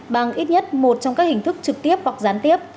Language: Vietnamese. bằng ít nhất một trong các hình thức trực tiếp hoặc gián tiếp